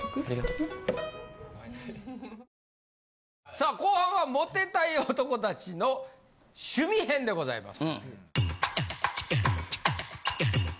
さあ後半はモテたい男達の趣味編でございます。